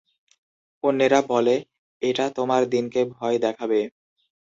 অন্যেরা বলে, "এটা তোমার দিনকে ভয় দেখাবে"।